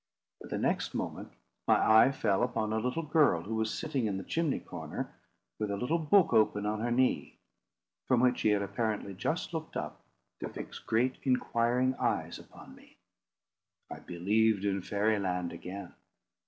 But the next moment my eye fell upon a little girl who was sitting in the chimney corner, with a little book open on her knee, from which she had apparently just looked up to fix great inquiring eyes upon me. I believed in Fairy Land again.